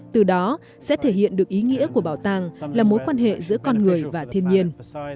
từ đó sẽ thể hiện được ý nghĩa của bảo tàng là mối quan hệ giữa con người và thiên nhiên